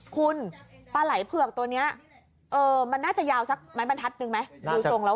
คุณปลาไหล่เผือกตัวนี้มันน่าจะยาวสักไม้บรรทัศน์หนึ่งไหม